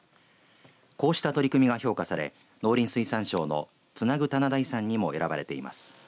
こうした取り組みが評価され農林水産省のつなぐ棚田遺産にも選ばれています。